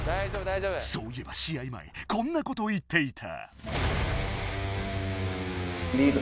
そういえば試合前こんなことを言っていた。